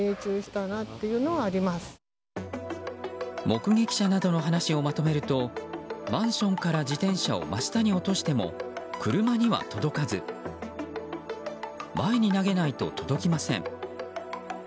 目撃者などの話をまとめるとマンションから自転車を真下に落としても、車には届かず前に投げないと届きません。